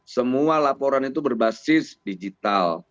semua laporan itu berbasis digital